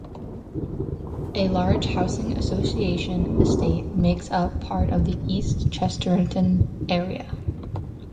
A large housing association estate makes up part of the East Chesterton area.